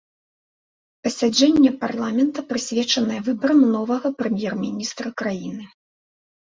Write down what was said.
Пасяджэнне парламента прысвечанае выбарам новага прэм'ер-міністра краіны.